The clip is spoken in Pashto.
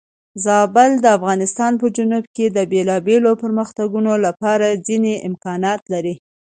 زابل د افغانستان په جنوب کې د بېلابېلو پرمختګونو لپاره ځینې امکانات لري.